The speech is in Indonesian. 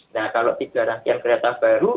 nah kalau tiga rangkaian kereta baru